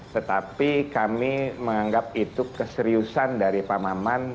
tetapi kami menganggap itu keseriusan dari pak maman